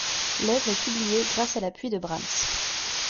L'œuvre est publiée grâce à l'appui de Brahms.